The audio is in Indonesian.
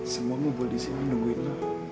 semua ngumpul disini nungguin lu